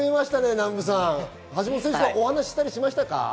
南部さん、橋本選手と話したりしましたか？